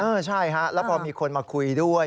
ใช่ฮะแล้วพอมีคนมาคุยด้วย